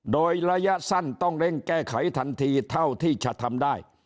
โดยระยะสั้นต้องเร่งแก้ไขทันทีเท่าที่จะทำได้